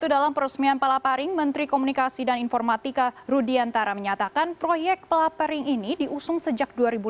itu dalam perusmian pelaparing menteri komunikasi dan informatika rudiantara menyatakan proyek pelaparing ini diusung sejak dua ribu lima